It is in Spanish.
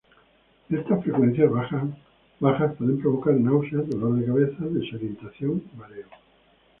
Estas frecuencias bajas pueden provocar náuseas, dolor de cabeza, desorientación y mareo.